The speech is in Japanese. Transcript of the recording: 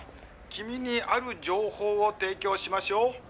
「君にある情報を提供しましょう」